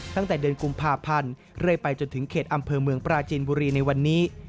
ตั้งแต่เดือนกุมภาพันธ์เรื่อยไปจนถึงเขตอำเภอเมืองปราจีนบุรีในวันนี้